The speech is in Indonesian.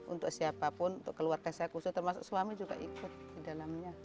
untuk siapapun untuk keluarga saya khusus termasuk suami juga ikut di dalamnya